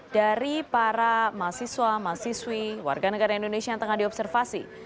dari para mahasiswa mahasiswi warga negara indonesia yang tengah diobservasi